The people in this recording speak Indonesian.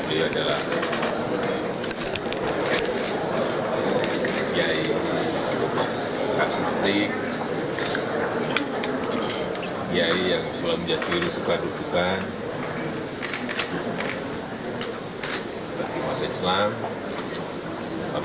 presiden juga menyebut mbah mun sebagai kiai yang selalu menjadi rujukan bagi umat islam